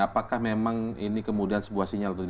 apakah memang ini kemudian sebuah sinyal